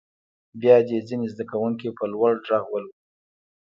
بیا دې ځینې زده کوونکي په لوړ غږ ولولي.